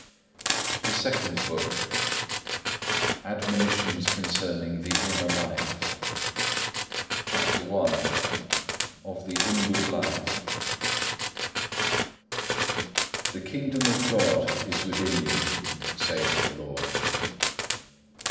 3. THE SECOND BOOK ADMONITIONS CONCERNING THE INNER LIFE CHAPTER I Of the inward life The kingdom of God is within you,(1) saith the Lord.